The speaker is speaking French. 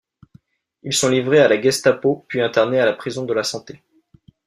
Ils sont livrés à la Gestapo puis internés à la prison de la Santé.